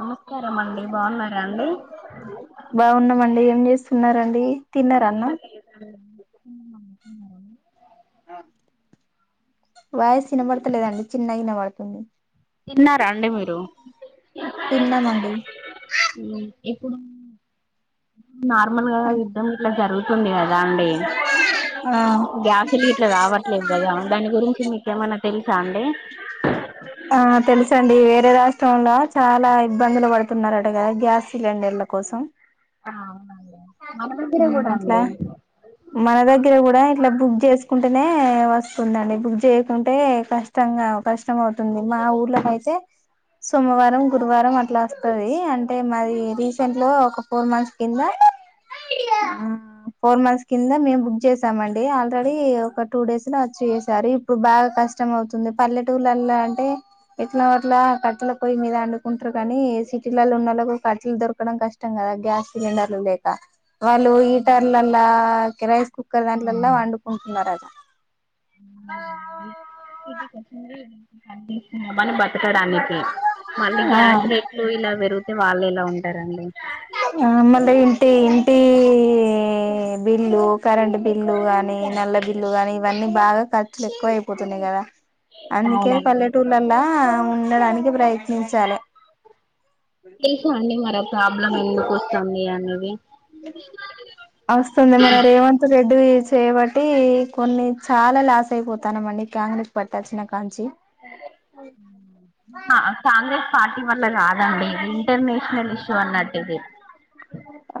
నమస్కారం అండి బాగున్నారా అండి బాగున్నమండి ఏం చేస్ తిన్నారా అండి? ఆ ఉమ్ [unintelligible] తిన్నవా? వాయిస్ ఇనబడతలేదండి, చిన్నగ ఇనబడుతుంది. తిన్నారా అండి మీరు? తిన్నామండి ఇప్పుడు? నార్మల్ గా యుద్ధం ఇట్ల జరుగుతుంది కదా అండి? ఆ గ్యాసులు గిట్లా రావట్లేవ్ గదా. దాని గురించి మీకేమైనా తెల్సా అండి? ఆ తెలుసండి, వేరే రాష్ట్రంల చాలా ఇబ్బందులు పడుతున్నరట కదా గ్యాస్ సిలిండర్ల కోసం. ఆ అవునండి. మన దగ్గర ఉమ్ కూడా అట్లా అండి. మన దగ్గర కూడా ఇట్లా బుక్ చేసుకుంటేనే వస్తుందండి. బుక్ చేయకుంటే కష్టంగా కష్టం అవుతుంది. మా ఊర్లోకైతే సోమవారం, గురువారం అట్ల అస్తది అన్ టే మాది రీసెంట్ లో, ఒక ఫోర్ మంత్స్ కింద ఉమ్ ఫోర్ మంత్స్ కింద మేము బుక్ చేసామండి ఆల్రెడీ ఒక టూ డేస్ లో వచ్చి వేసారు. ఇప్పుడు బాగా కష్టం అవుతుంది, పల్లెటూల్లలా అంటే ఎట్లనోట్ల కట్టల పొయ్యి మీద అండుకుంటరు కనీ, సిటీలలో ఉన్నోళ్లకు కట్టలు దొరకడం కష్టం కదా గ్యాస్ సిలిండర్లు లేక. వాళ్ళు ఈటర్లలా ఒకే. రైస్ కుక్కర్ దాంట్లల్లా అండుకుంటున్నరటా? [inaudible] పెట్టడానికి, మళ్ళీ ఆ గ్యాస్ రేట్లు ఇలా పెరుగు తే వాళ్ళు ఎలా ఉంటారండి? ఆ ఆ మళ్ల ఇంటి ఇంటివి బిళ్ళు కరెంట్ బి బిల్లు కాని, నల్ల బిల్లు గాని ఇవన్నీ బాగా ఖర్చులేక్కువయిపోతున్నయ్ గదా? అందుకే అవునండి పల్లెటూర్లలా ఉండడానికి ప్రయత్న తెలుసా అండి మరి ఆపు ప్రాబ్లం ఎందుకు వస్తుంది అనేది వస్తుంది మన రేవంత్ రెడ్డి చేబాట్టి కొన్ని చాలా లాస్ అయిపోతానమండి కాంగ్రెస్ పార్టీ వచ్చినకాంచి ఆ కాంగ్రెస్ పార్టీ వల్ల కాదండి ఇది ఇంటర్నేషనల్ ఇష్యూ అన్నట్టు ఇది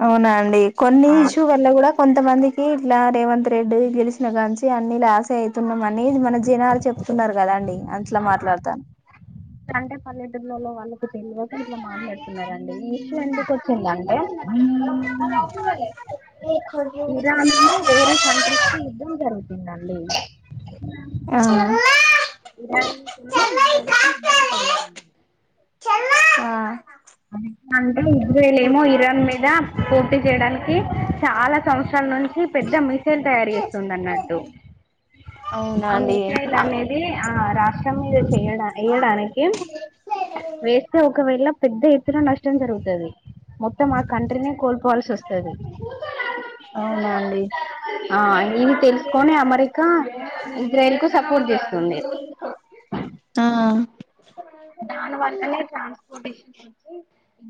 అవునా అండి కొన్ని ఇష్యూ వల్ల కూడా కొంత ఎంత మందికి ఇట్లా రేవంత్ రెడ్డి గెలిచిన కానించి అన్ని లాస్ అయిత చెప్పుతున్నాం అని మన జనాలు చె వస్తున్నారు కదా అండి అట్లా మాట్లాడతానా అంటే పల్లెటూర్లలో వాళ్ళకి తెల్వక ఇట్లా మాట్లాడుతున్నారండి ఈ ఇష్యూ ఎందుకు వచ్చిందంటే ఇరాన్ లో వేరే కంట్రీస్ కి యుద్ధం జరుగుతుంది ఉంది అండి ఆ ఆ [unintelligible] ఇజ్రేల్ ఏమో ఇరాన్ మీద పోటీ చేయడానికి చాలా సం నుంచి పెద్ద మిసైల్ తయారు చేస్తుంది అన్నట్టు అవునా ఆ అండి మిసైల్ అనేది ఆ రాష్ట్రం మీద చెయడా ఏడానే కి వేస్తే ఒకవేళ పెద్ద ఎత్తున నష్టం జరుగుతది మొత్తం ఆ కంట్రీనే కోల్పోవల్సి వస్తుంది అవునా అండి ఆ ఇది తెలుసుకని అమా అమెరికా ఇజ్రాయల్ కు సపోర్ట్ చేస్తుంది ఆ దాని వల్ల నే ట్రాన్స్పోర్టేషన్స్ వచ్చి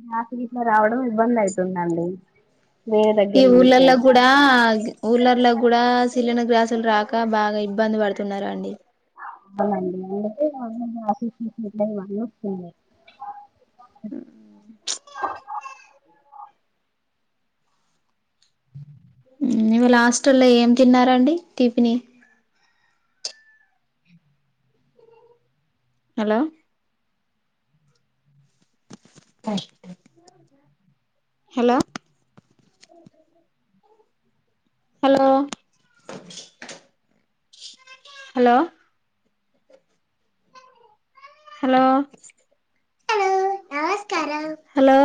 గ్యాస్ గిట్ల రావడం ఇబ్బంది అవుతుందండి ఈ ఊల్లా కూడా గా ఊల్లలా కూడా చిల్లన గ్యాస్ లు రాక బాగా ఇబ్బంది పడుతున్నారండి అవునండి అందుకే ఆఫీస్ట్ [unintelligible] వాళ వస్తుంది ఉమ్ ఇవాళ హాస్టల్లో ఏం తిన్నారండి టీఫిని hello hello hello hello hello హలోమ హలో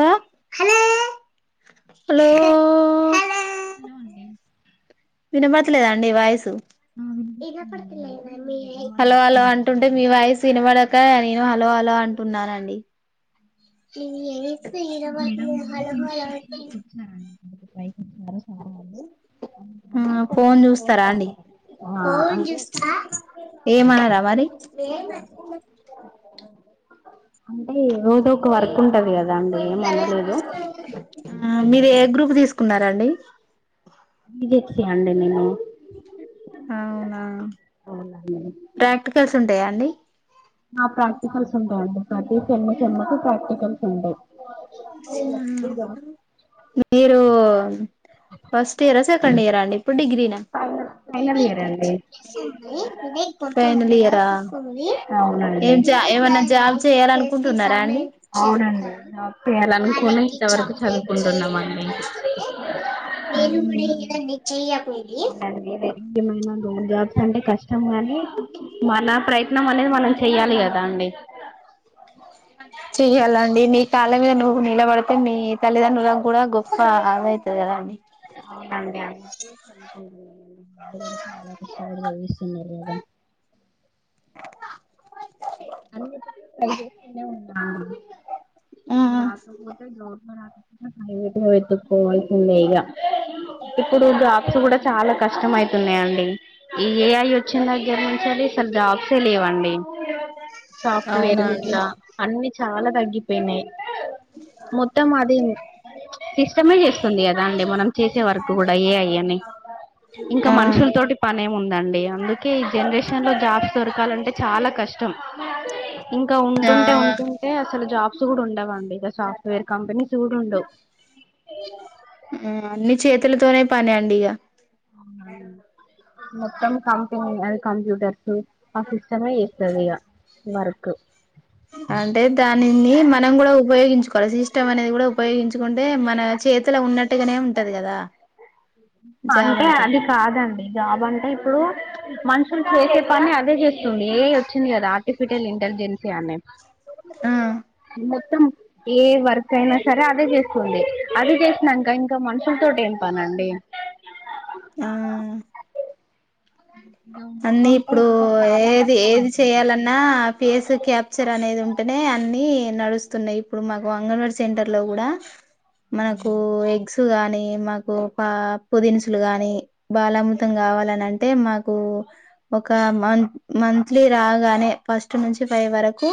హలో హలో అండి వినపడుతలేదండి వాయిసు హలో హలో అంటుంటే మీ వాయిస్ వినపడ నేను హలో అలో అంటున్నానండి ఈ ఇరోబకి భాల అ అందుకే పైకచ్చినారు చాలా మంది ఆ ఫోన్ చూస్తారా అండి ఆ ఫోన్ అంటే చూస్త ఏమన్నారా మరి అంటే రోజో ఒక వర్క్ ఉంటది కదా అండి ఏమనలేదు ఆ మీదే గ్రూపు తీసుకున్నారాండి బిజెడ్ సి అండీ నేను అవునా అవునండి ప్రాక్టికల్స్ ఉ టే యండి ఆ ప్రాక్టికల్స్ ఉంటాయండి అదే సేమ్మ్ సేమ్మ్ కు ప్రాక్టికల్ ఉంట మీరు ఫస్ట్ ఇయర్ సెకండ్ ఇయర్ అండి డిగ్రీ నా ఫైనల్ ఇయర్ అండి ఫైనల్ ఇయర్ ఆహ్ అవునండి ఎం జా ఏమన్నా జాబ్ చేయాలనుకుంటున్నారా అండి అవునండి చేయాలనుకుని ఉమ్ ఇంతవరకు చదువుకుంటున్నామండి నిశ్చయం ఔనండి రేప్ ఇఎందులోమైన జాబ్స్ అంటే కష్టం గానీ మన ప్రయత్నం అనేది మనం చెయ్యాలి కదా అండి చెయ్యాలండి నీ కాళ్ళ మీద నువ్వు నిలబడితే మీ తల్లిదండ్రు కూడా గొప్ప అద అయితది కదండి అవునండి చస్తున్నారు కద అన్నికి ట్రై చేస్తనే ఉన్నా ఆ రాకపోతే గౌవ్ర్నర్ ప్రైవేట్ గా వెతుక్కోవాల్సిందే ఇక ఇప్పుడు జాబ్స్ కూడా చాలా కష్టం అవుతున్నాయండి ఈ ఏఐ వచ్చిన దగ్గర నుంచెల్లి అసలు జాబ్సే లేవండి అవునా సాఫ్టేరు అండి ఇట్ల అన్నీ చాల తగ్గిపోయినయి మొత్తం అది సిస్టమే చేస్తుంది కదా అండి మనం చేసే వర్ కూడ ఏ ఐ అనీ ఇంక ఆ మనుషుల తోటి పనేమి ఉం దండి అందుకే ఈ జనరేషన్ లో జాబ్స్ దొరకాలంటే చాలా కష్టం. ఇంకా ఉంటుంటే ఉంటుంటే అసలు జాబ్ బ్స్ కూడ ఉండావండి ఇగ సాఫ్ట్వేర్ కంపనీస్ కూడ ఉండవ్. అన్ని చేతులతోనే పని అండి ఇగా! అవునండి మొత్తం కం అ కంప్యూటర్స్ ఆ సిస్టమే చేస్తదిగా వర్కు అంటే దానిని మనం కూడా ఉపయోగించు కొలసి సిస్టం అనేది కూడ ఉపయోగించుకుంటే మన చేతుల ఉన్నట్టుగనే ఉంటది కదా! అంటే అది కాదండి జాబ్ అంటే ఇప్పుడు మనుషులు చేసే పని అదే చేస్తుంది ఏ ఐ వచ్చింది కదా ఆర్టిఫిషియల్ ఇంటెలిజెన్సీ అనీ ఆ మొత్తం ఏ వర్క్ అయినా సరే అదే చేస్తుంది. అది చేసినంక ఇంక మనుషుల తోటి ఏం పనండి? ఆ అన్ని ఇప్పుడు ఇంకా చాలా ఏది కష్టం ఏది అయిపోతుంది చేయాలన్నా, ఫస్ క్యాప్చర్ అనేది ఉంటేనే అన్నీ నడుస్తున్నాయి ఇప్పుడు మాకు వంగనూర్ సెంటర్లో గూడా మనకూ ఎగ్స్ కాని, మాకు పప్పు దినుసులు కాని, బాలామృతం గావలనం అంటే మాకు ఒక మం మంత్లీ రాగానే ఫస్ట్ నుంచి ఫైవ్ వరకు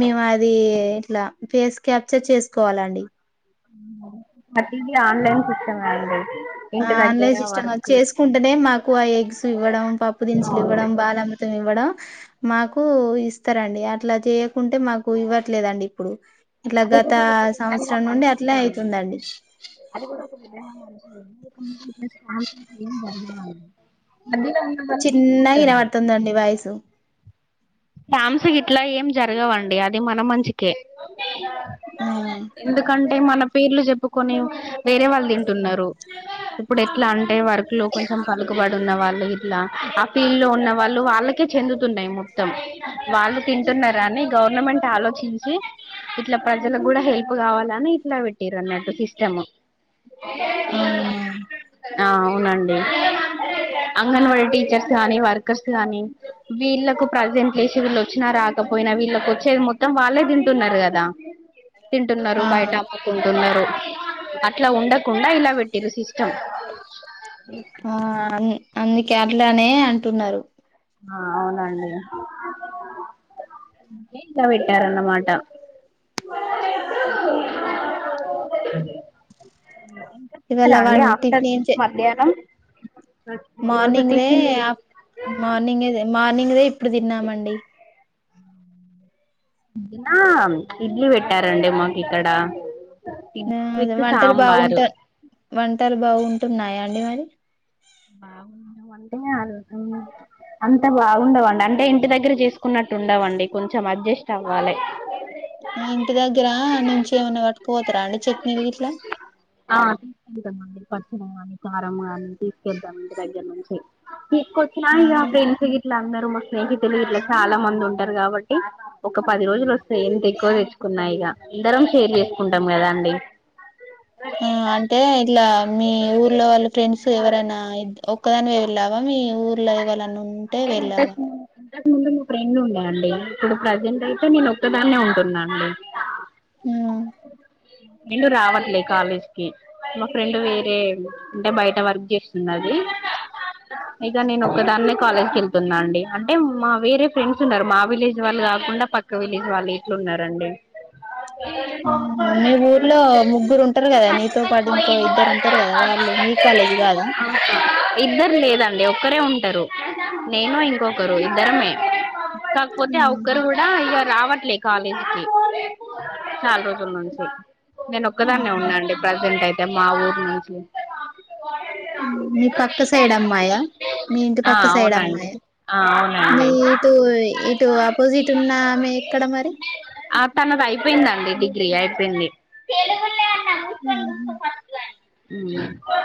మేము అది ఇట్ల ఫేస్ క్యాప్చర్ చేసుకోవాలండి. ప్రతీది ఆన్లైన్ సిస్టమేనండి ఆ ఆన్లైన్ సిస్టం చేసుకుంటేనే మాకు ఆ ఎగ్స్ ఇవ్వడం, పప్పు దినుసులు ఇవ్వడం, బాల అమృతం ఇవ్వడం, మాకూ ఇస్తరండి అట్లా చేయకుంటే మాకు ఇవ్వట్లేదండి ఇప్పుడు. ఇట్లా అది గత కూడా ఒక విధంగా సంవత్సరం నుండి అట్లే మంచిదేనండి. అయితుందండి అది కూడా ఒక విధంగా మం [inaudible] చిన్నగా ఇనవడుతుందండి వాయస్సు. స్కామ్స్ గిట్ల ఏం జరగవండి అది మన మంచికే. ఆ ఎందుకంటే మన పేర్లు చెప్పు కొన్ని వేరే వాళ్ళు తింటున్నారు. ఇప్పుడు ఎట్లా అం టే వర్క్ లో కొంచెం పలుకుబడి టున్న వాళ్ళు గిట్ల ఆ ఫీల్డ్ లో ఉన్న వాళ్ళు వాళ్ళకే చెందుతున్నయి మొ త్తం వాళ్ళు తింటు ఉన్నారని అని గౌర్ గర్నమెంట్ ఆలోచించి ఇట్లా ప్రజలకు గూడా హెల్ప్ కావాలని ఇట్లా పెట్టిరన్నట్టు సిస్టమ్ అవునా ఆ అవునండి అంగన్ వాడి టీచర్స్ గానీ వర్కర్స్ క్లానీ వీళ్ళలకు పాజెంట్లేషన్లు వచ్చిన నా రాకపోయినా వీళ్ళకి వచ్చేది మొత్తం వాళ్ళే తింటున్నారు గదా తింటున్నారు ఆ బయట అమ్ముకుంటున్నారు అట్లా ఉండకుండా ఇలా వెట్టిరు సిస్ ఆ అన్ని అన్ని కేరళనే అంటున్నారు ఆ అవునండి ఇంకా పెట్టారన్నమాట ఏమా స్తార ఇవాళ అండి వన్ ఆఫ్టర్ మధ్యాహ్నం ఈ రోజు మార్నింగ్ రే టిఫిన్ ఆపు మార్నింగే తే మార్నింగ్ రే ఇప్పుడు తిన్నామండి తిన్నామ్ ఇడ్లీ పెట్టారండి మాకు ఇక్కడ ఇడ్లీ హ్మ్ విత్ వంటలు సాంబారు బాగుంటా వంటలు బాగుంటు ఉన్నాయా ఏమైంది బాగుండవు అంటే అం అంత బాగుండవండి అంటే ఇంటి దగ్గర చేసుకున్నట్టు ఉండవండి కొంచెం అడ్జస్ట్ అవ్వాలే నువు ఇంటి దగ్గర నుంచి ఏమన్నా పట్టుకుపోతారా అండి చట్నీది గీట్లా పచ్చడ గానీ కారం గానీ తీసు తీద్దామండి దగ్గర నుంచి తీసుకుచ్చిన ఇగ ఫ్రెండ్స్ గిట్ ఇళ్లు అందరూ మా స్నేహితులు ఇట్లా చాలా మంది ఉంటారు కాబట్టి ఒక పది రోజులు వస్తాయి ఎంత ఎక్కువ తెచ్చుకున్నా ఇగ అందరం షేర్ చేసుకుంటాం గదా అండి ఆ అంటే ఇట్లా మీ ఊర్లో వాళ్ళ ఫ్రెండ్స్ ఎవరైనా ఇద్దు ఒక్కదానివే వెళ్ళావా మీ ఊర్లో ఎవలన్నా ఉంటే వెళ్ళావా ఇంతకు ముందు మా ఫ్రెండ్ ఉండే అండి ఇప్పుడు ప్రెసెంట్ అయితే నేను ఒక్కదాన్నే ఉంటున్నా అండి ఆ నేను రావట్లే కాలేజ్ కి మా ఫ్రెండ్ వేరే అంటే బయట వర్క్ చేస్తుంది అది ఇక నేను ఒక్కదాన్నే కాలేజ్ వెళ్తున్నా అండి అంటే మా వేరే ఫ్రెండ్స్ ఉన్నారు మా విలేజ్ వాళ్ళు కాకుండా పక్క విలేజ్ వాళ్ళు ఇట్లు ఉన్నారండి ఆహ మీ ఊర్లో ముగ్గురు ఉంటారు గదా నీతో పాటు ఇంకో ఇద్దరు ఉంటారు గదా వాళ్ళు మీ కాలేజీ గాదా టారు నేను ఇంకొకరు ఇద్దరమే కాకపోతే ఆ ఒక్కరు కూడా ఇగ రావట్ కాలేజ్కి సాల సార్ నేను ఒక్కదాన్నే ఆహా, ఉన్నాండి ప్రజెంట్ అయితే ఎమా అలు మీ పక్క సైడ్ అమ్మాయా మీ ఇంటి ఆ పక్క సైడ్ అవునండి అమ్మాయా ఆ మీ అవునండి ఇటు ఇటు ఆపోజిట్ ఉన్న మ ఎక్కడ మరి ఆ తనది అయిపోయిందండి ఇది ఇ అయిపోయింది ఆ అ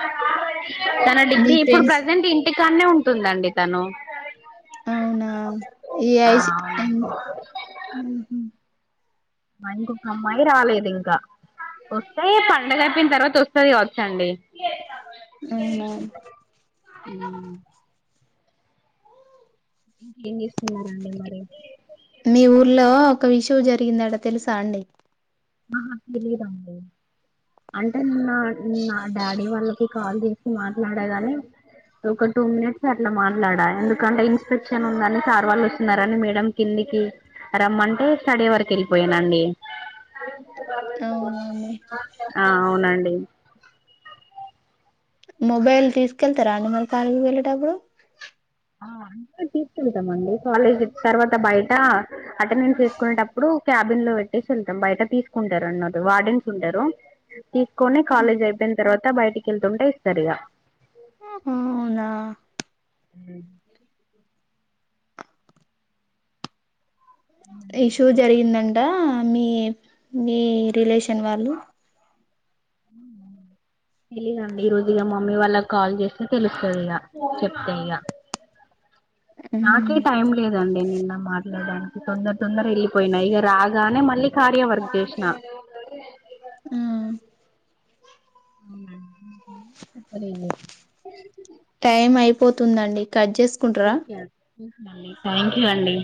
తన మీ డిగ్రీ ఇప్పుడు ఫ్రెండ్స్ ప్రజెంట్ ఇ ఇకా అన్నే ఉంటుందండి తను అవునా ఆ ఏఐ అవునండి కా ఒకసాయి ప ఎండగా అయిపోయిన తర్వాత వస్తుంది కావచ్చండి అవునా అ ఇంకేం చేస్తున్నారా అండి మరి మీ ఊర్లో ఒక విషయం జరిగిందంటా తెలుసా అండి ఆా తెలీదండి అంటే నిన్న డాడీ వాళ్ళ కాల్ చేసి మాట్లాడగాని ఒక టూ మినిట్స్ అట్లా మాట్లాడా ఎందుకంటే ఇన్స్పెక్షన్ ఉందని సార్ వాళ్ళు వస్తున్నారని మేడ కిందికి రమ్మంటే స్టడీ వరకు వెళ్ళిపోయానండి అవునా అండి అ ఆ అవునండి మొబైల్ తీసుకెళ్తారా అని మల్ కార్కి వెళ్ళేటప్పుడు అంట తీసుకెళ్తాంండి కాలేజ్ తర్వాత బయట అటెండెన్స్ చేసుకునేటప్పుడు క్యాబిన్ లో పెట్టేసి వెళ్తాం బయట తీసుకుంటారు అన్నారు వార్డెన్స్ ఉంటారు ఇకునే ఆ, కాల జవె తర్వాత బయటికి వెళ్తుంటే ఇస్తారు ఇక అవునా హ ఇషూ జరిగిందండి మీ మీ రిలేషన్ వాళ్ళు తెలీదండి ఈ రోజు ఇక మమ్మీ వాళ్ళకి కాల్ చేస్తే తెలుస్తుంది ఇక చెప్తే ఇక నాకే ఉమ్ టైం లేదండి నిన్న మా డానికి తొందర తొందర వెళ్ళిపోయిన ఇక రాగానే మళ్ళీ కార్య వర్క్ చేసిన ఆ వు చెప్ప టైం అయిపోతుందండి కట్ చేసుకుంటార అండి థ్యాంక్ యూ అండి